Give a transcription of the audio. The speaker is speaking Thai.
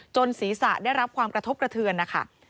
ศีรษะได้รับความกระทบกระเทือนนะคะ